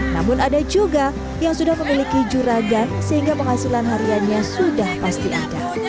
namun ada juga yang sudah memiliki juragan sehingga penghasilan hariannya sudah pasti ada